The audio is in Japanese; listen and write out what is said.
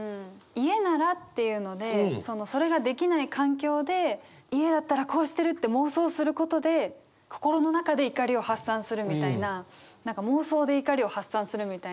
「家なら」っていうのでそれができない環境で家だったらこうしてるって妄想することで心の中で怒りを発散するみたいなそれはもう。